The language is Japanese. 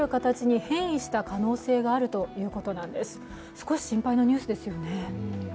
少し心配なニュースですよね。